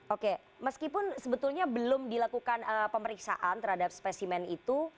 oke meskipun sebetulnya belum dilakukan pemeriksaan terhadap spesimen itu